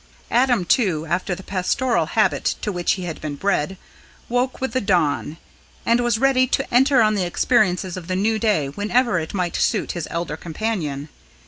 Adam, too, after the pastoral habit to which he had been bred, woke with the dawn, and was ready to enter on the experiences of the new day whenever it might suit his elder companion.